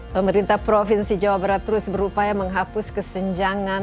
pemerintah provinsi jawa barat terus berupaya menghapus kesenjangan